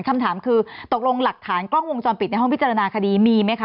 คำถามคือตกลงหลักฐานกล้องวงจรปิดในห้องพิจารณาคดีมีไหมคะ